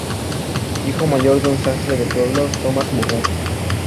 Hijo mayor de un sastre de pueblo, Thomas Murray.